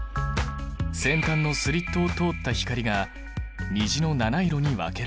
先端のスリットを通った光が虹の七色に分けられる。